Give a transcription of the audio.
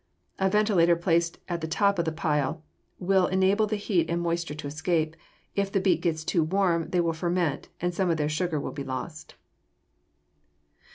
A ventilator placed at the top of the pile will enable the heat and moisture to escape. If the beets get too warm they will ferment and some of their sugar will be lost.